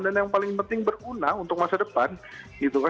dan yang paling penting berguna untuk masa depan gitu kan